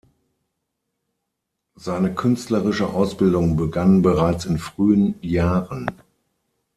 Seine künstlerische Ausbildung begann bereits in frühen Jahren.